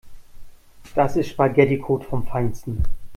Das ist Spaghetticode vom Feinsten.